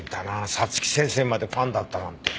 早月先生までファンだったなんて。